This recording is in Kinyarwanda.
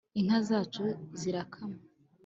inka zacu zirakagwira